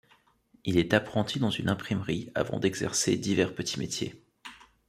Il est apprenti dans une imprimerie avant d'exercer divers petits métiers.